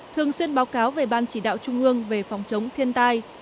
thường xuyên báo cáo về ban chỉ đạo trung ương về phòng chống thiên tai